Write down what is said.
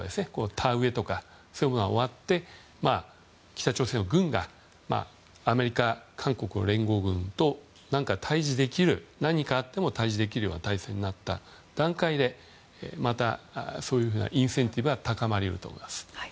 田植えとかそういうものが終わって北朝鮮の軍がアメリカ、韓国の連合軍と対峙できるような形になった段階でまたそういうインセンティブは高まり得ると思います。